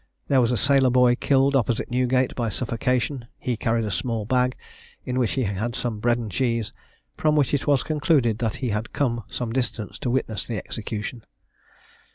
There was a sailor boy killed opposite Newgate by suffocation: he carried a small bag, in which he had some bread and cheese, from which it was concluded that he had come some distance to witness the execution.